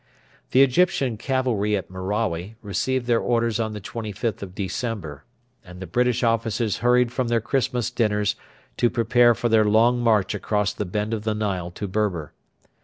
The Egyptian cavalry at Merawi received their orders on the 25th of December, and the British officers hurried from their Christmas dinners to prepare for their long march across the bend of the Nile to Berber.